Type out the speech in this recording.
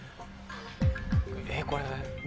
えっこれ。